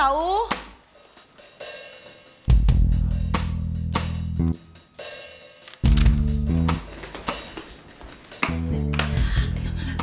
mama udah pulang tau